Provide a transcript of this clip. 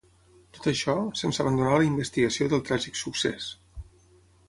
Tot això, sense abandonar la investigació del tràgic succés.